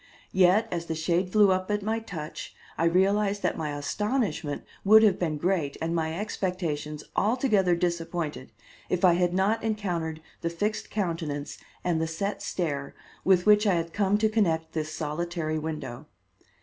Yet as the shade flew up at my touch I realized that my astonishment would have been great and my expectations altogether disappointed if I had not encountered the fixed countenance and the set stare with which I had come to connect this solitary window.